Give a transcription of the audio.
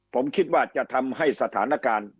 ผมคิดว่าจะทำให้สถานการณ์การเมืองที่นี้